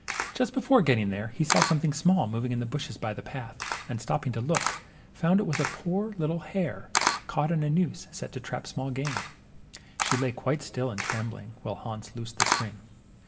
Just before getting there, he saw something small moving in the bushes by the path, and stopping to look, found it was a poor little hare, caught in a noose set to trap small game. She lay quite still and trembling, while Hans loosed the string.